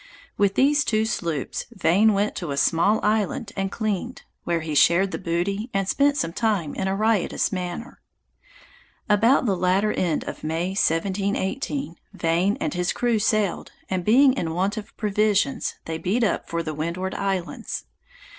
With these two sloops, Vane went to a small island and cleaned; where he shared the booty, and spent some time in a riotous manner. About the latter end of May 1718, Vane and his crew sailed, and being in want of provisions, they beat up for the Windward Islands.